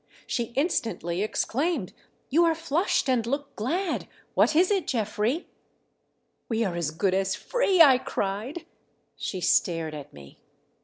She instantly exclaimed: "You are flushed and look glad ! What is it, Geoffrey .'"" We are as good as free !" I cried. She stared at me.